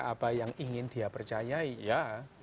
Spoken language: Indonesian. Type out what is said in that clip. apa yang ingin dia percayai ya